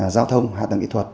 giao thông hạ tầng kỹ thuật